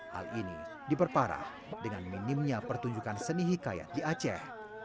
hal ini diperparah dengan minimnya pertunjukan seni hikayat di aceh